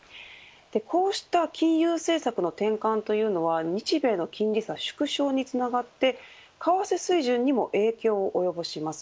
こうした金融政策の転換というのは日米の金利差縮小につながって為替水準にも影響を及ぼします。